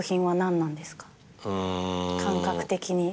感覚的に。